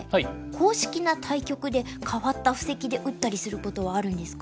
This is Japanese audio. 公式な対局で変わった布石で打ったりすることはあるんですか？